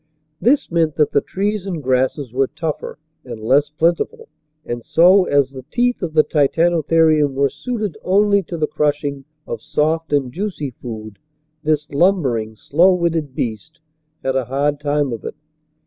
This meant that the trees and grasses were tougher and less plentiful, and so, as the teeth of the Titanotherium were suited only to the crushing of soft and juicy food, this lumbering, slow witted beast had a hard time of it.